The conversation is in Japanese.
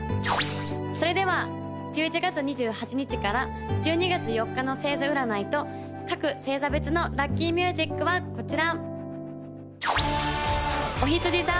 それでは１１月２８日から１２月４日の星座占いと各星座別のラッキーミュージックはこちら！